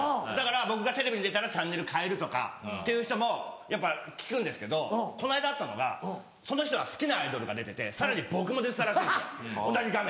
だから僕がテレビに出たらチャンネル替えるとかっていう人もやっぱ聞くんですけどこの間あったのがその人が好きなアイドルが出ててさらに僕も出てたらしいんですよ